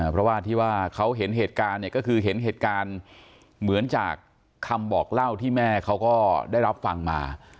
เพราะว่าที่ว่าเขาเห็นเหตุการณ์เนี่ยก็คือเห็นเหตุการณ์เหมือนจากคำบอกเล่าที่แม่เขาก็ได้รับฟังมา